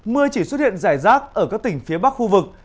mưa chỉ xuất hiện rải rác ở các tỉnh phía bắc khu vực